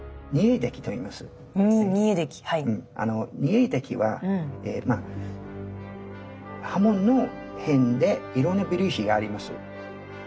沸出来は刃文の辺でいろんな微粒子があります。